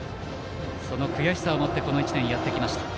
その悔しさを持ってこの１年やってきました。